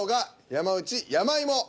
山内「山芋」。